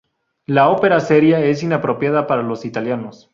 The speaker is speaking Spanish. La ópera seria es inapropiada para los italianos.